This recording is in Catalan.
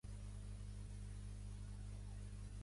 Qui afecta més tot això?